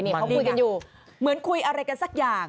เขาคุยกันอยู่เหมือนคุยอะไรกันสักอย่าง